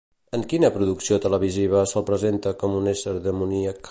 En quina producció televisiva se'l presenta com un ésser demoníac?